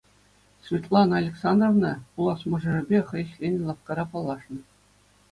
Светлана Александровна пулас мӑшӑрӗпе хӑй ӗҫленӗ лавккара паллашнӑ.